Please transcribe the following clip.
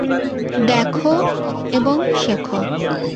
দ্যাখো এবং শেখো।